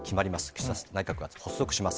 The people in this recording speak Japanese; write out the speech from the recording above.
岸田内閣が発足します。